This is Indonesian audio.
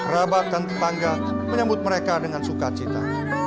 rabat dan tetangga menyambut mereka dengan sukacita